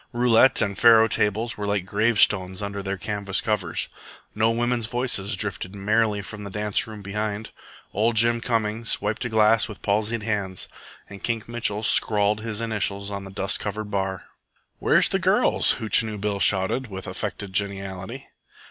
Roulette and faro tables were like gravestones under their canvas covers. No women's voices drifted merrily from the dance room behind. Ol' Jim Cummings wiped a glass with palsied hands, and Kink Mitchell scrawled his initials on the dust covered bar. "Where's the girls?" Hootchinoo Bill shouted, with affected geniality.